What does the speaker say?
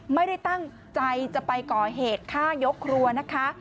ไม่ได้ตั้งใจจะไปก่อเหตุฆ่ายกครัวนะคะ